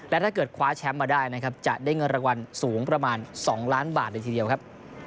และถ้าเกิดคว้าแชมป์มาได้นะครับจะได้เงินรางวัลสูงประมาณ๒ล้านบาทเลยทีเดียวครับ